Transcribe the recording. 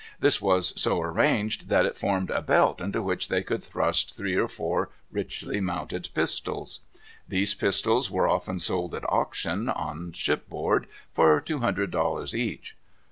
This was so arranged that it formed a belt into which they could thrust three or four richly mounted pistols. These pistols were often sold at auction, on shipboard, for two hundred dollars each.